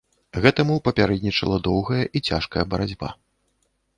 Гэтаму папярэднічала доўгая і цяжкая барацьба.